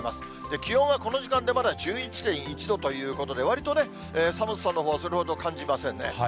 気温が、この時間でまだ１１．１度ということで、わりとね、寒さのほうもそれほど感じませんね。